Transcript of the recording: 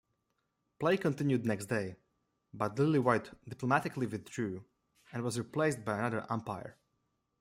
Play continued next day, but Lillywhite diplomatically withdrew and was replaced by another umpire.